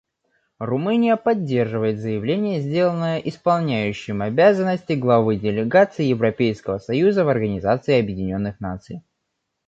Румыния поддерживает заявление, сделанное исполняющим обязанности главы делегации Европейского союза в Организации Объединенных Наций.